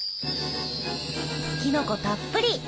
きのこたっぷり！